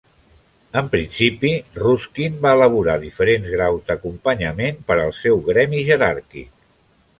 En principi, Ruskin va elaborar diferents graus "d'acompanyament" per al seu gremi jeràrquic.